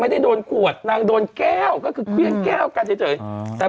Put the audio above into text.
ไม่ได้โดนขวดนางโดนแก้วก็คือเครื่องแก้วกันเฉยแต่